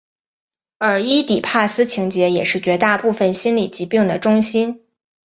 而伊底帕斯情结也是绝大部分心理疾病的中心。